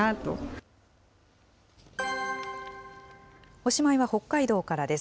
おしまいは北海道からです。